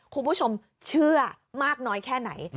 คุณผู้ชมเชื่อมากน้อยแค่ไหน